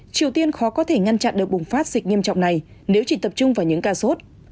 triều tiên khó có thể ngăn chặn được bùng phát dịch nghiêm trọng này nếu chỉ tập trung vào những ca sốt